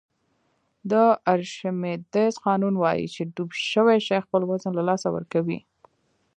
د ارشمیدس قانون وایي چې ډوب شوی شی خپل وزن له لاسه ورکوي.